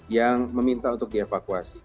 yang meminta untuk dievakuasi